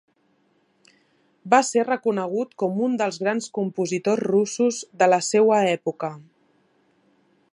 Va ser reconegut com un dels grans compositors russos de la seua època.